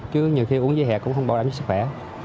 chứ nhiều khi uống dưới hè cũng không bảo đảm cho sức khỏe